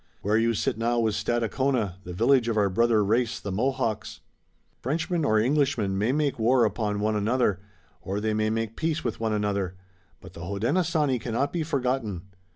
Where you sit now was Stadacona, the village of our brother race, the Mohawks. Frenchmen or Englishmen may make war upon one another, or they may make peace with one another, but the Hodenosaunee cannot be forgotten.